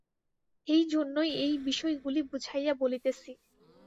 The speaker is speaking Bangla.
এইজন্যই এই বিষয়গুলি বুঝাইয়া বলিতেছি।